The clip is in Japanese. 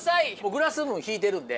グラスの分引いてるんで。